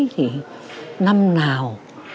thì năm nào